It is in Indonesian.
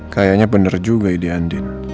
kayaknya benar juga ide andin